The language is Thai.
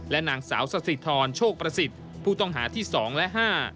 และนางสาวสศิษฐรโชคประศิษฐ์ผู้ต้องหาที่๒และ๕